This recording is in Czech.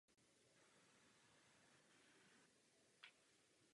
Bylo mu uděleno vyznamenání Za zásluhy o výstavbu.